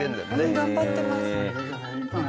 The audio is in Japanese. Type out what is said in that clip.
頑張ってます。